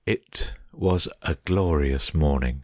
It was a glorious morning.